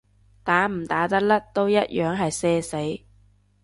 打唔打得甩都一樣係社死